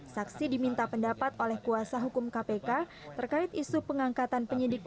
saksi diminta pendapat oleh kuasa hukum kpk terkait isu pengangkatan penyidik